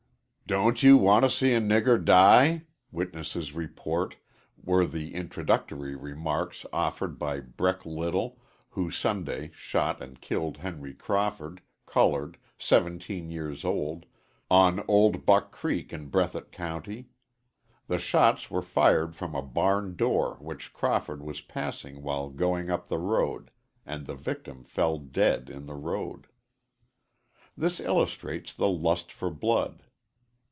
"Don't you want to see a nigger die," witnesses report were the introductory remarks offered by Breck Little, who Sunday shot and killed Henry Crawford, colored, 17 years old, on Old Buck Creek in Breathitt County. The shots were fired from a barn door which Crawford was passing while going up the road, and the victim fell dead in the road. This illustrates the lust for blood.